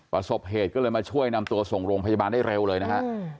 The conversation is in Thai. ประสบเหตุก็เลยมาช่วยนำตัวส่งโรงพยาบาลได้เร็วเลยนะฮะ